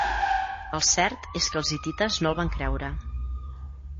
El cert és que els hitites no el van creure.